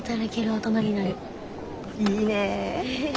いいね！